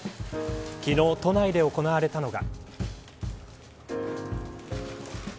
昨日、都内で行われたのが。